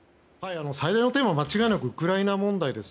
最大のテーマは間違いなくウクライナ問題です。